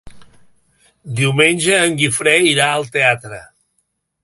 Diumenge en Guifré irà al teatre.